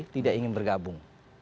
tidak ingin bergabung